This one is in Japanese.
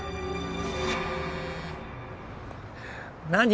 何？